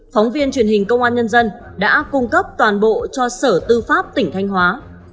phóng viên truyền hình công an nhân dân đã cung cấp toàn bộ cho sở tư pháp tỉnh thanh hóa